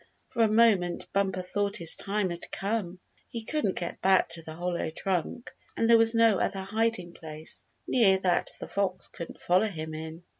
For a moment Bumper thought his time had come. He couldn't get back to the hollow tree trunk, and there was no other hiding place near that the fox couldn't follow him in.